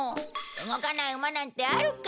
動かない馬なんてあるか！